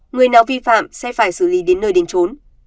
người nào vi phạm sẽ phải xử lý đến nơi đến trốn